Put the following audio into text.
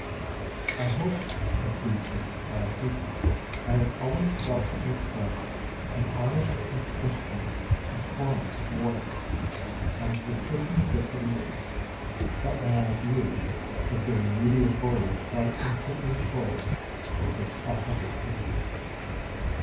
'" "I hope (concludes Mr Southey), I have always felt and expressed an honest and Christian abhorrence of wars, and of the systems that produce them; but my ideas of their immediate horrors fell infinitely short of this authentic picture."